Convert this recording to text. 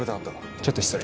ちょっと失礼。